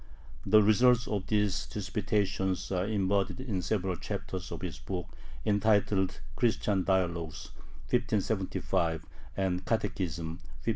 The results of these disputations are embodied in several chapters of his books entitled "Christian Dialogues" (1575) and "Catechism" (1580).